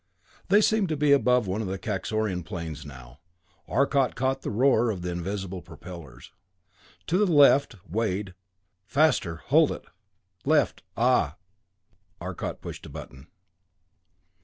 They seemed to be above one of the Kaxorian planes now. Arcot caught the roar of the invisible propellers. "To the left, Wade faster hold it left ah!" Arcot pushed a button.